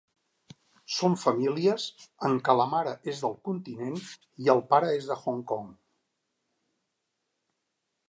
Són famílies en què la mare és del continent i el pare és de Hong Kong.